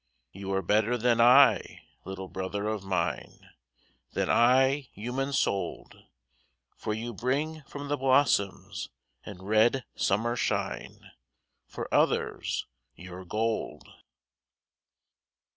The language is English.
You are better than I, little brother of mine, Than I, human souled, For you bring from the blossoms and red summer shine, For others, your gold.